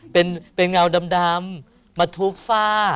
เป็นเงาดำมาทุบฝ้า